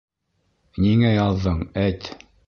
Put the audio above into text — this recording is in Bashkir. Ниңә яҙҙың, әйт?